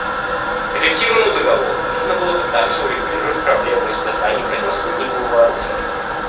Эффективному договору нужно было бы также урегулировать проблему испытаний противоспутникового оружия.